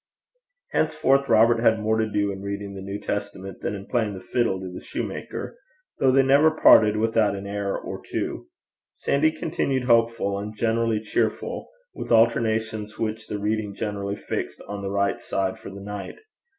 Henceforth Robert had more to do in reading the New Testament than in the fiddle to the soutar, though they never parted without an air or two. Sandy continued hopeful and generally cheerful, with alternations which the reading generally fixed on the right side for the night.